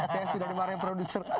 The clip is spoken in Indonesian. saya sudah dimarahin produser